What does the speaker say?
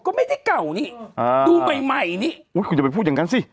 ก็ไม่ได้เก่านี่อ่าดูใหม่ใหม่นี่อุ้ยคุณอย่าไปพูดอย่างนั้นสิ